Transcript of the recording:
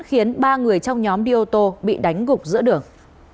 khiến ba người trong nhóm đi ô tô bị đánh gục giữa đường